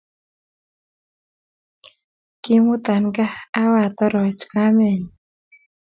kiimutan gaa awatoroch kamenyin